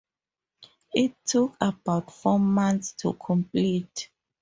It took about four months to complete.